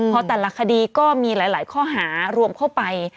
เพราะแต่ละคดีก็มีหลายข้อหารวมเข้าไป